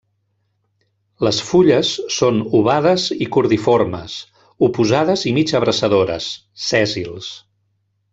Les fulles són ovades i cordiformes, oposades i mig abraçadores, sèssils.